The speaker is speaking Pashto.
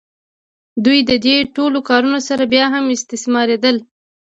دوی د دې ټولو کارونو سره بیا هم استثماریدل.